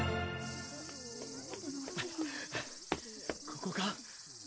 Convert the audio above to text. ここか？